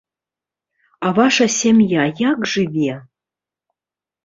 А ваша сям'я як жыве!